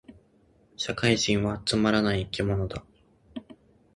社会人はつまらない生き物だ